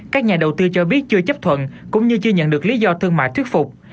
các nhà đầu tư cho biết chưa chấp thuận cũng như chưa nhận được lý do thương mại thuyết phục